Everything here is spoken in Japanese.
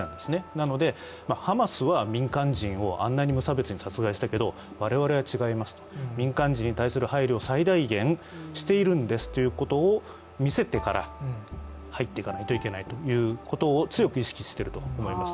なので、ハマスは民間人をあんなに無差別に殺害したけど我々は違いますと民間人に対する配慮を最大限しているんですということを見せてから入っていかないといけないということを強く意識していると思います。